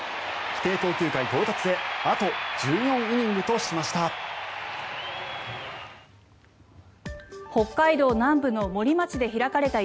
規定投球回到達へあと１４イニングとしました。